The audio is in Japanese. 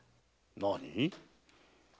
何？